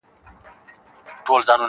• خدایه مینه د قلم ورکي په زړو کي ..